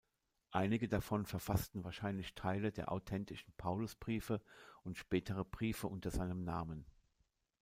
Einige davon verfassten wahrscheinlich Teile der authentischen Paulusbriefe und spätere Briefe unter seinem Namen.